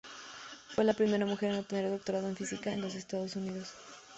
Fue la primera mujer en obtener un doctorado en Física en los Estados Unidos.